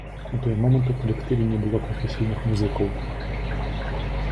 На той момант у калектыве не было прафесійных музыкаў.